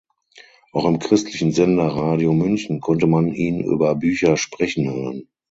Auch im christlichen Sender Radio München konnte man ihn über Bücher sprechen hören.